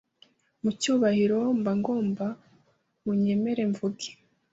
Mu cyubahiro mbagomba munyemere mvuge